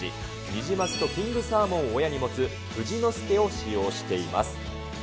にじますとキングサーモンを親に持つ、富士の介を使用しています。